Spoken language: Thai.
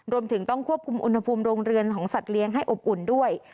รวมถึงต้องควบคุมอุณหภูมิโรงเรือนของสัตว์เลี้ยงให้อบอุ่นด้วย